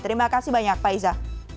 terima kasih banyak pak iza